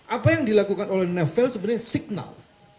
apa yang dilakukan oleh novel sebenarnya signal